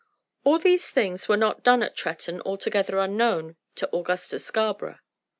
All these things were not done at Tretton altogether unknown to Augustus Scarborough.